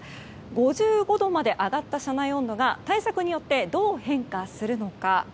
５５度まで上がった車内温度が対策によってどう変化するのか。